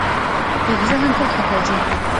کوږ ذهن تل خطا ځي